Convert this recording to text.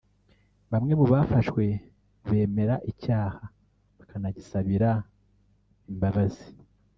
Bamwe mu bafashwe bemera icyaha bakanagisabira imbabazi